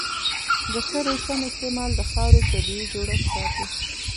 د سرې سم استعمال د خاورې طبیعي جوړښت ساتي.